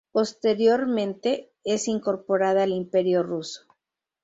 Posteriormente es incorporada al Imperio Ruso.